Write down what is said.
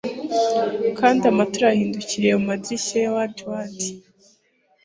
Kandi amatara yahindukiriye mumadirishya ya Ward ya Ward